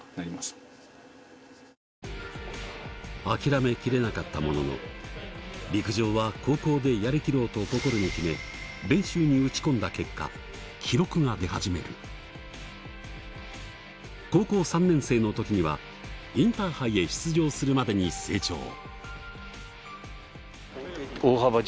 諦めきれなかったものの陸上は高校でやりきろうと心に決め練習に打ち込んだ結果記録が出始める高校３年生の時にはインターハイへ出場するまでに成長